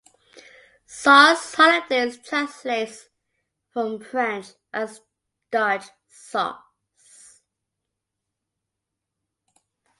Sauce Hollandaise translates from French as "Dutch sauce".